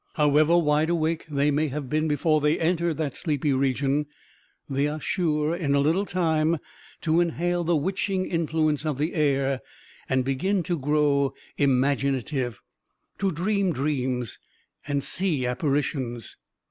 However wide awake they may have been before they entered that sleepy region, they are sure, in a little time, to inhale the witching influence of the air, and begin to grow imaginative to dream dreams and see apparitions.